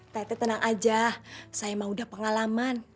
tete tenang aja saya emang udah pengalaman